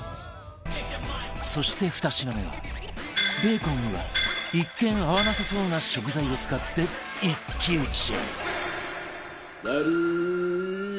そして２品目はベーコンには一見合わなさそうな食材を使って一騎打ち